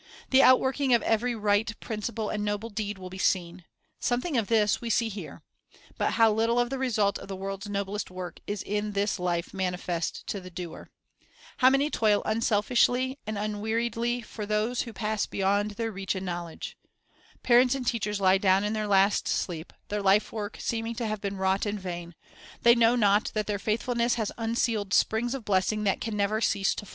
The outworking of every right principle and noble deed will be seen. Something of this we see here. But how little of the result of the world's noblest work is in this life manifest to the doer! How many toil unselfishly and unweariedly 306 The Higher Course Fruition of Life's Sowing rhe Heavenly Record Social Life for those who pass beyond their reach and knowledge! Parents and teachers lie down in their last sleep, their life work seeming to have been wrought in vain; they know not that their faithfulness has unsealed springs of blessing that can never cease to.